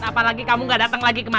apalagi kamu gak dateng lagi ke rumah